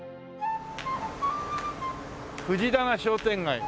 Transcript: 「藤棚商店街」